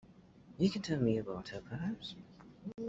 You can tell me about her perhaps?